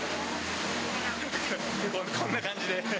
こんな感じで。